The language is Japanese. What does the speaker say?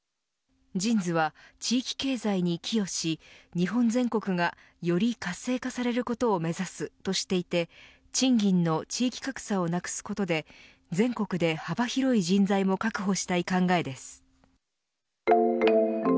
ＪＩＮＳは地域経済に寄与し日本全国がより活性化されることを目指すとしていて賃金の地域格差をなくすことで全国で幅広い人材も確保したい考えです。